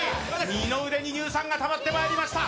二の腕に乳酸がたまってまいりました。